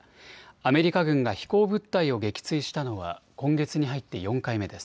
アメリカ軍が飛行物体を撃墜したのは今月に入って４回目です。